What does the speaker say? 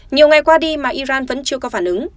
nhiều ngày qua đi mà iran vẫn chưa có phản ứng